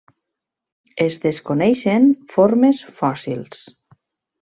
Es desconeixen formes fòssils.